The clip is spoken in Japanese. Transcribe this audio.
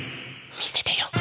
みせてよ。